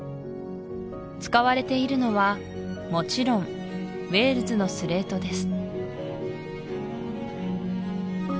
使われているのはもちろんウェールズのスレートです